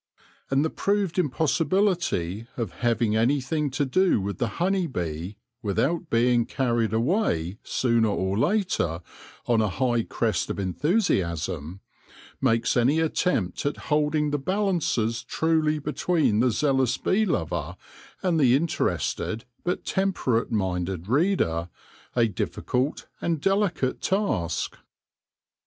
And the proved impossibility of having any thing to do with the honey bee without being carried away sooner or later on a high wave of enthusiasm, makes any attempt at holding the balances truly between the zealous bee lover and the interested but temperate minded reader, a difficult and delicate task.